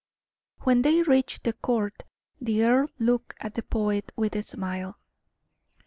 When they reached the Court, the earl looked at the poet with a smile.